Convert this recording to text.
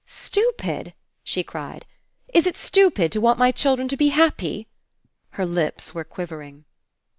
"Stupid!" she cried. "Is it stupid to want my children to be happy?" Her lips were quivering.